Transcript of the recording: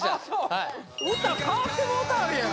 はい歌かわってもうたあるやん